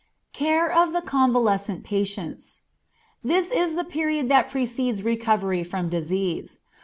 Care of the Convalescent Patients. This is the period that precedes recovery from disease.